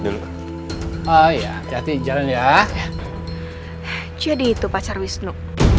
dulu oh iya jadinya jadi itu pacar wisnu